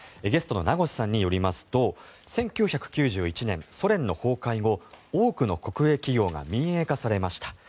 ゲストの名越さんによりますと１９９１年、ソ連の崩壊後多くの国営企業が民営化されました。